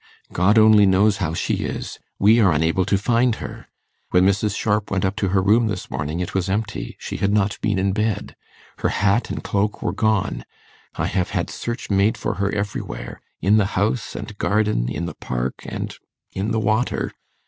'God only knows how she is. We are unable to find her. When Mrs. Sharp went up to her room this morning, it was empty. She had not been in bed. Her hat and cloak were gone. I have had search made for her everywhere in the house and garden, in the park, and in the water.